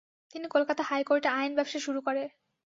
তিনি কলকাতা হাইকোর্টে আইন ব্যবসা শুরু করে।